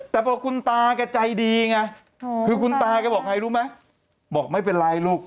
แต่พอคุณตาแกใจดีไงคือคุณตาแกบอกไงรู้ไหมบอกไม่เป็นไรลูก